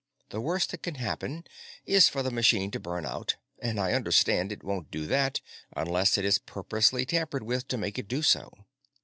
The worst that can happen is for the machine to burn out, and, I understand, it won't do that unless it is purposely tampered with to make it do so.